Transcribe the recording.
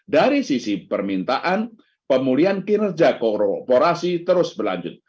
dari sisi permintaan pemulihan kinerja korporasi terus berlanjut